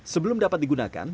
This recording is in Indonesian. sebelum dapat digunakan